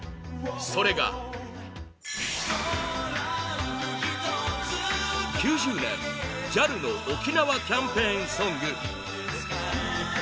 それが９０年、ＪＡＬの沖縄キャンペーンソング！